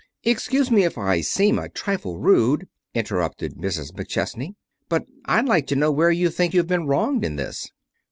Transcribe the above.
"Excuse me if I seem a trifle rude," interrupted Mrs. McChesney, "but I'd like to know where you think you've been wronged in this."